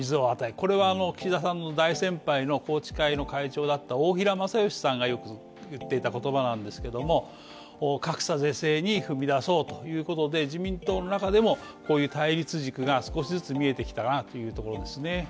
これはあの岸田さんの大先輩の宏池会の会長だった大平正芳さんがよく言ってた言葉なんですけども大格差是正に踏み出そうということで自民党の中でもこういう対立軸が少しずつ見えてきたなというところですね